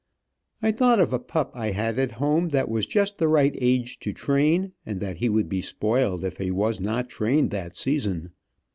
I thought of a pup I had at home that was just the right age to train, and that he would be spoiled if he was not trained that season.